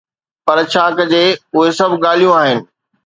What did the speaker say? پر ڇا ڪجي، اهي سڀ ڳالهيون آهن.